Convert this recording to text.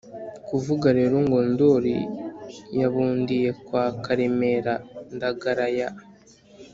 kuvuga rero ngo ndori yabundiye kwa karemera ndagara ya